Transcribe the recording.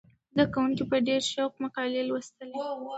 زده کوونکي په ډېر شوق مقالې لوستلې.